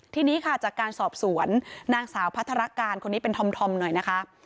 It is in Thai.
ทีนี้ค่ะจากการสอบสวนนางสาวพัฒนาการคนนี้เป็นธอมหน่อยนะคะ